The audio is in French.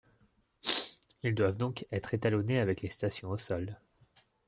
Ils doivent donc être étalonnés avec les stations au sol.